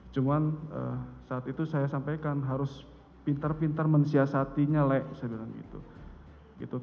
cuma saat itu saya sampaikan harus pintar pintar mensiasatinya lek saya bilang gitu